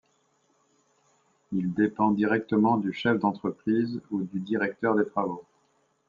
Il dépend directement du chef d'entreprise ou du directeur des travaux.